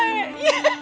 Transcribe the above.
ya bener baik